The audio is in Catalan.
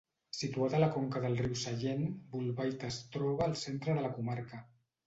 Situat a la conca del riu Sellent, Bolbait es troba al centre de la comarca.